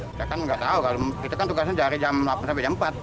kita kan nggak tahu kalau kita kan tugasnya dari jam delapan sampai jam empat